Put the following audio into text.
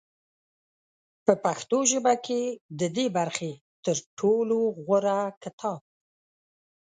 په پښتو ژبه کې د دې برخې تر ټولو غوره کتاب